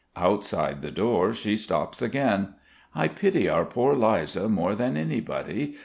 Outside the door she stops again: "I pity our poor Liza more than anybody.